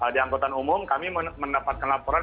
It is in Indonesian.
di angkutan umum kami mendapatkan laporan